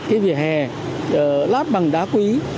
cái vỉa hè lát bằng đá quý